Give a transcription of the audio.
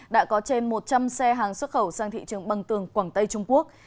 đã có trên một trăm linh xe hàng xuất khẩu sang thị trường bằng tường quảng tây trung quốc